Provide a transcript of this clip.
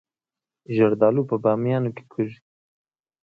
زردالو په بامیان کې کیږي